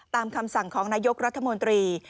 คำสั่งของนายกรัฐมนตรี